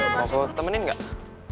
mau gue temenin enggak